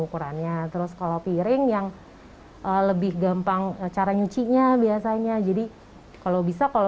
ukurannya terus kalau piring yang lebih gampang cara nyucinya biasanya jadi kalau bisa kalau